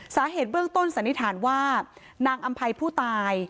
สาเหตุเบื้องต้นสันนิษฐานว่านางอำภัยผู้ตาย